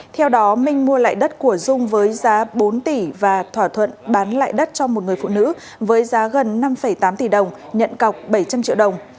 theo đó minh mua lại đất của dung với giá bốn tỷ và thỏa thuận bán lại đất cho một người phụ nữ với giá gần năm tám tỷ đồng nhận cọc bảy trăm linh triệu đồng